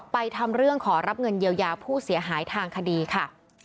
ทำเรื่องขอรับเงินเยียวยาผู้เสียหายทางคดีค่ะ